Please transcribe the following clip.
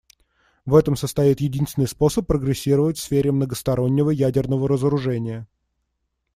В этом состоит единственный способ прогрессировать в сфере многостороннего ядерного разоружения.